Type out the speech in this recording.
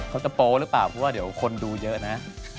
โป๊หรือเปล่าเพราะว่าเดี๋ยวคนดูเยอะนะ